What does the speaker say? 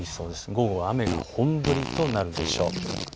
午後は雨が本降りとなるでしょう。